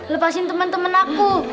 lepasin temen temen aku